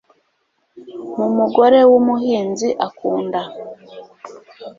Mu mugore wumuhinzi akunda